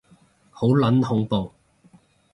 好撚恐怖